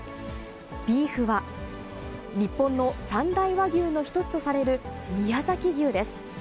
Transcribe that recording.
ビーフは日本の三大和牛の一つとされる宮崎牛です。